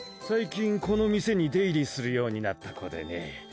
最近この店に出入りするようになった子でね。